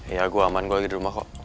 iya gue aman gue lagi di rumah kok